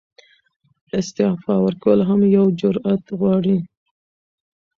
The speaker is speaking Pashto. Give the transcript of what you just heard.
استعفاء ورکول هم یو جرئت غواړي.